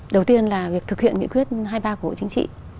đầu tiên là việc thực hiện nghị quyết hai ba của hội chính trị